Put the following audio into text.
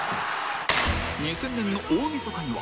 ２０００年の大みそかには